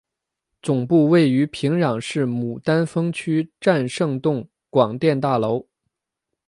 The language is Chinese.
总部位于平壤市牡丹峰区战胜洞广电大楼。